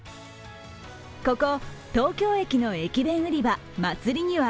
ここ東京駅の駅弁売り場、祭には